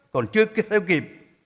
còn chưa theo kịp